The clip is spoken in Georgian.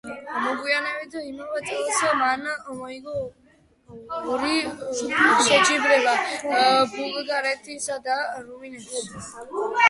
მოგვიანებით, იმავე წელს, მან მოიგო ორი შეჯიბრება ბულგარეთსა და რუმინეთში.